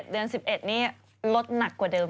เดือน๑๑นี่ลดหนักกว่าเดิม